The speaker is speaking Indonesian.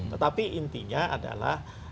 tetapi intinya adalah